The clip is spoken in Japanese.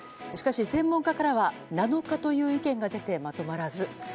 しかし専門家からは７日という意見が出てまとまらず。